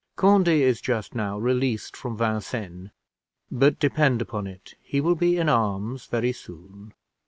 Conde is just now released from Vincennes, but depend upon it he will be in arms very soon."